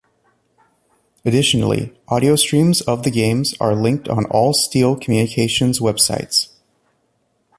Additionally, audio streams of the games are linked on all Steele Communications web sites.